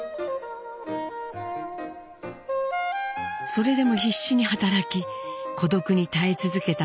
それでも必死に働き孤独に耐え続けたスエ子。